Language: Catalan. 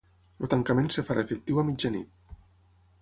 El tancament es farà efectiu a mitjanit.